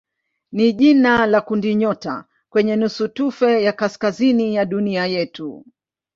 ni jina la kundinyota kwenye nusutufe ya kaskazini ya dunia yetu.